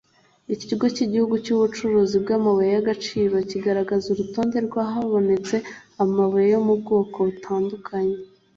Ikigo cy’Igihugu cy’Ubucukuzi bw’Amabuye y’Agaciro kigaragaza urutonde rw’ahabonetse amabuye yo mu bwoko butandukanye